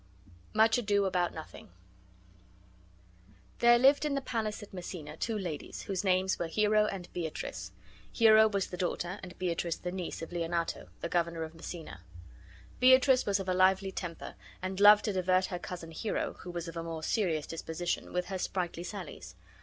MUCH ADO ABOUT NOTHING There lived in the palace at Messina two ladies, whose names were Hero and Beatrice. Hero was the daughter, and Beatrice the niece, of Leonato, the governor of Messina. Beatrice was of a lively temper and loved to divert her cousin Hero, who was of a more serious disposition, with her sprightly sallies.